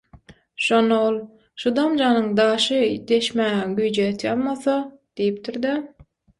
Şonda ol «Şu damjanyň daşy deşmäge güýji ýetýän bolsa…» diýipdir-de